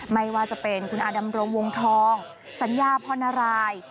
ไม่ว่าจะเป็นคุณอาดำรงวงทองสัญญาพรณราย